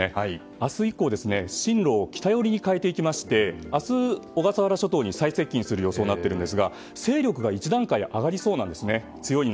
明日以降、進路を北寄りに変えていきまして明日、小笠原諸島に最接近する予想になっているんですが勢力が１段階上がりそうなんです。